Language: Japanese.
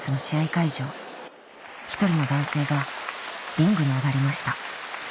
会場１人の男性がリングに上がりました